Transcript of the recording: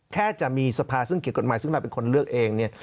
แค่จะมีสภาซึ่งเขียนกฎหมายซึ่งเราเป็นคนเลือกเองเนี่ย